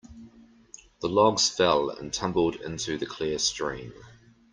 The logs fell and tumbled into the clear stream.